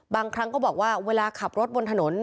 บางครั้งก็บอกว่าเวลาขับรถบนถนน